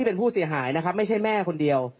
เป็นผู้เสียหายนะครับไม่ใช่แม่คนเดียว